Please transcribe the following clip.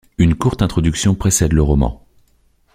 Une courte introduction précède le roman.